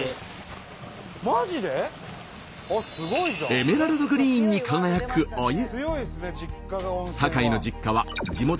エメラルドグリーンに輝くお湯。